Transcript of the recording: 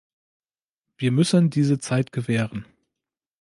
Wir müssen diese Zeit gewähren.